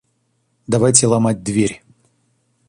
Давайте ломать дверь.